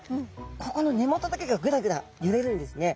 ここの根元だけがぐらぐらゆれるんですね。